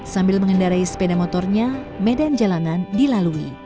sambil mengendarai sepeda motornya medan jalanan dilalui